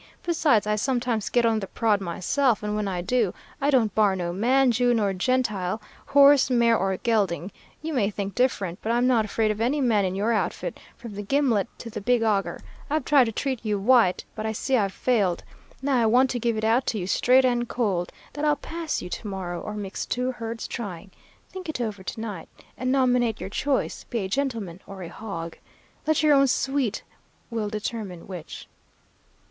Besides, I sometimes get on the prod myself, and when I do, I don't bar no man, Jew nor Gentile, horse, mare or gelding. You may think different, but I'm not afraid of any man in your outfit, from the gimlet to the big auger. I've tried to treat you white, but I see I've failed. Now I want to give it out to you straight and cold, that I'll pass you to morrow, or mix two herds trying. Think it over to night and nominate your choice be a gentleman or a hog. Let your own sweet will determine which.'